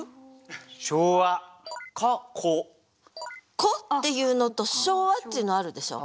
「子」っていうのと「昭和」っていうのあるでしょ。